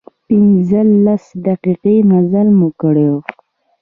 پنځلس دقيقې مزل مو کړی و.